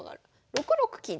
６六金と。